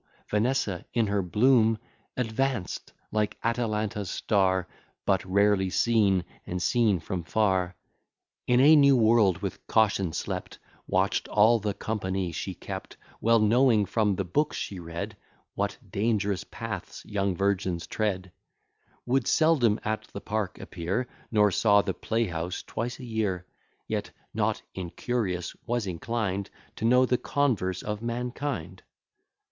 Vanessa in her bloom Advanced, like Atalanta's star, But rarely seen, and seen from far: In a new world with caution slept, Watch'd all the company she kept, Well knowing, from the books she read, What dangerous paths young virgins tread: Would seldom at the Park appear, Nor saw the play house twice a year; Yet, not incurious, was inclined To know the converse of mankind.